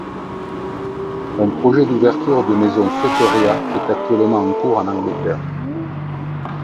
Un projet d'ouverture de maison Soteria est actuellement en cours en Angleterre.